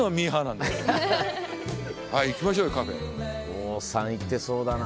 郷さん行ってそうだな。